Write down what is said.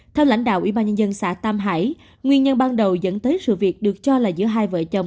theo lãnh đạo ủy ban nhân dân xã tam hải nguyên nhân ban đầu dẫn tới sự việc được cho là giữa hai vợ chồng